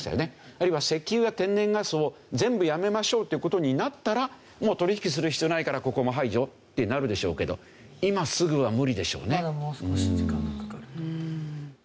あるいは石油や天然ガスを全部やめましょうっていう事になったらもう取引する必要ないからここも排除ってなるでしょうけどまだもう少し時間がかかると。